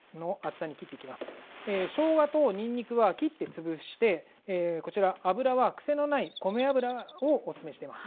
しょうがとにんにくは切って潰してこちら油は癖のない米油をおすすめしています。